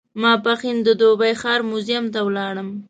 ماپښین د دوبۍ ښار موزیم ته ولاړم.